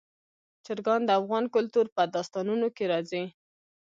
چرګان د افغان کلتور په داستانونو کې راځي.